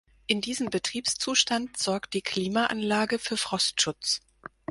In diesem Betriebszustand sorgt die Klimaanlage für Frostschutz.